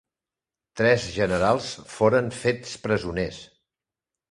Tres generals foren fets presoners.